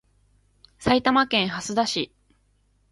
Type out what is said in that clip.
埼玉県蓮田市